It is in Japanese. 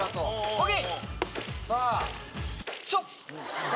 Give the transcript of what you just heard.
ＯＫ！